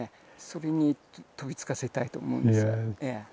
それに飛びつかせたいと思うんです。